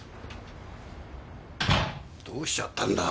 どうしちゃったんだ？